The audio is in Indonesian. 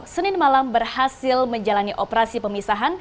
senin malam berhasil menjalani operasi pemisahan